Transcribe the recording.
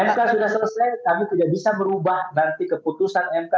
mk sudah selesai kami tidak bisa merubah nanti keputusan mk